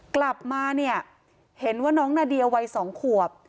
กลับมาเนี่ยเห็นว่าน้องนาเดียวัย๒ขวบ